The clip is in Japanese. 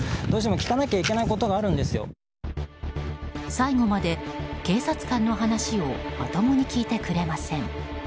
最後まで警察官の話をまともに聞いてくれません。